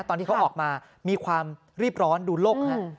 ตอนที่เขาออกมามีความรีบร้อนดูโลกฮะ